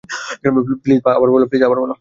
Please আবার বলো।